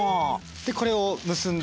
でこれを結んで。